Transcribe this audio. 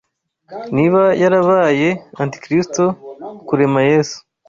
Niba yarabaye Antikristo, Kurema Yesu